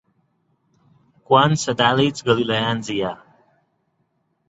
Quants satèl·lits galileans hi ha?